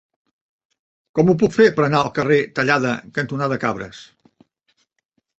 Com ho puc fer per anar al carrer Tallada cantonada Cabres?